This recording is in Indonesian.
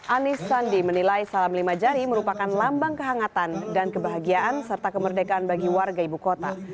anies sandi menilai salam lima jari merupakan lambang kehangatan dan kebahagiaan serta kemerdekaan bagi warga ibu kota